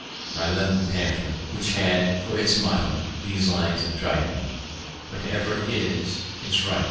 My London pamphlet, which had for its motto these lines of Dryden: "Whatever is, is right.